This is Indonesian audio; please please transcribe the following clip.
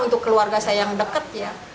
untuk keluarga saya yang deket ya